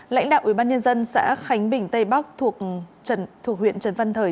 lãnh đạo ubnd xã khánh bình tây bắc thuộc huyện trần văn thời